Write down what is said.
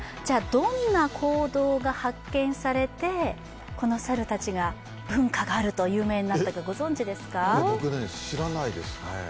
どんな行動が発見されてこの猿たちが文化があると有名になったか、ご存じですか？